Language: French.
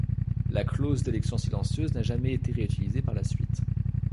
La clause d'élection silencieuse n'a jamais été réutilisée par la suite.